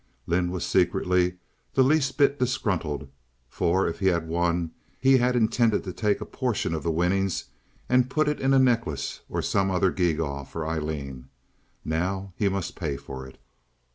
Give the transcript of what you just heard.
Lynde was secretly the least bit disgruntled, for if he had won he had intended to take a portion of the winnings and put it in a necklace or some other gewgaw for Aileen. Now he must pay for it.